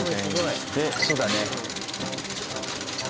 そうだね。